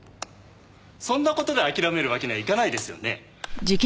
そんな事で諦めるわけにはいかないですよね。